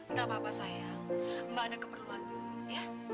nggak apa apa sayang mbak ada keperluan dulu ya